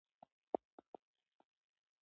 موږ هم باید همداسې وغواړو.